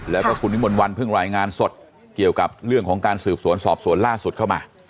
แล้วก็คุณวิมนต์วันเพิ่งรายงานสดเกี่ยวกับเรื่องของการสืบสวนสอบสวนล่าสุดเข้ามา